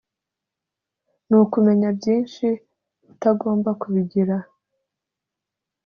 nukumenya byinshi utagomba kubigira,